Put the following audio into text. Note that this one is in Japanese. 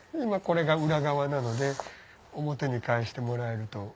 今これが裏側なので表に返してもらえると。